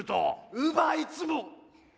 うばいつも。